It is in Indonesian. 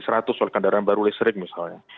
itu soal kendaraan baru listrik misalnya